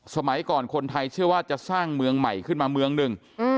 สมัยก่อนคนไทยเชื่อว่าจะสร้างเมืองใหม่ขึ้นมาเมืองหนึ่ง